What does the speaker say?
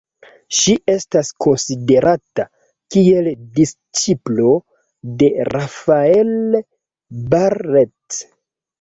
Ŝi estas konsiderata kiel disĉiplo de Rafael Barrett.